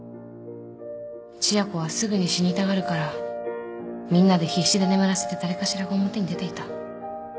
千夜子はすぐに死にたがるからみんなで必死で眠らせて誰かしらが表に出ていた。